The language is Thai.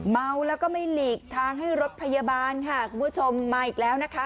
เมาแล้วก็ไม่หลีกทางให้รถพยาบาลค่ะคุณผู้ชมมาอีกแล้วนะคะ